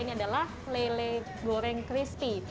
ini adalah lele goreng crispy